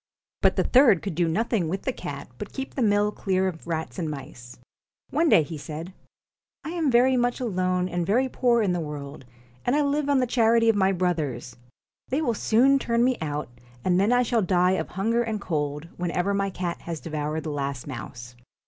But the third could do nothing with the cat but keep the mill clear of rats and mice. One day he said :' I am very much alone and very poor in the world, and I live on the charity of my brothers. They will soon turn me out, and then I shall die of hunger and cold, when ever my cat has devoured the last mouse.'